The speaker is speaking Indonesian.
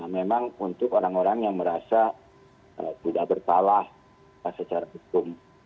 memang untuk orang orang yang merasa tidak bersalah secara hukum